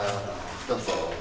どうぞ。